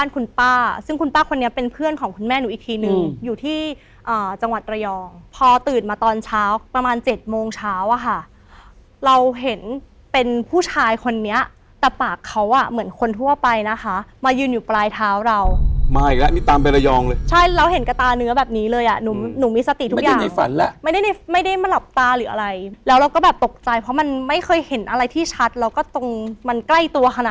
คุณแม่หนูอีกทีหนึ่งอยู่ที่อ่าจังหวัดระยองพอตื่นมาตอนเช้าประมาณเจ็ดโมงเช้าอ่ะค่ะเราเห็นเป็นผู้ชายคนนี้แต่ปากเขาอ่ะเหมือนคนทั่วไปนะคะมายืนอยู่ปลายเท้าเรามาอีกแล้วนี่ตามไประยองเลยใช่เราเห็นกระตาเนื้อแบบนี้เลยอ่ะหนูหนูมีสติทุกอย่างไม่ได้ในฝันละไม่ได้ไม่ได้มาหลับตาหรืออะไรแล้วเราก็แบบตกใจเพราะมัน